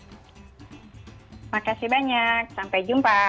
terima kasih banyak sampai jumpa